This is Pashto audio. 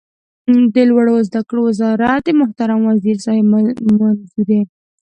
د لوړو زده کړو وزارت د محترم وزیر صاحب منظوري